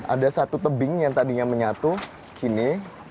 ada satu tebing yang tadinya menyatu kini